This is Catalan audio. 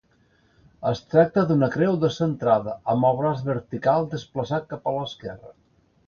Es tracta d'una creu descentrada, amb el braç vertical desplaçat cap a l'esquerra.